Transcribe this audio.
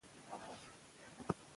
زه د نورو بریاوو ته خوشحاله کېږم.